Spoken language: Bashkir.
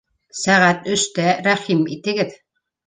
Сәғәт өстә рәхим итегеҙ